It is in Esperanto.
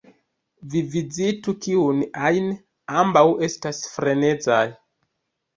Vi vizitu kiun ajn; ambaŭ estas frenezaj.